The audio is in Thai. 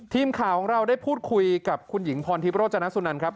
ทีมข่าวของเราได้พูดคุยกับคุณหญิงพรทิพย์โรจนสุนันครับ